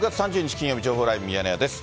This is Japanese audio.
金曜日、情報ライブミヤネ屋です。